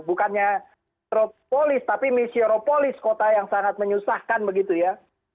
bukannya stropolis tapi misiropolis kota yang sangat menyusahkan begitu ya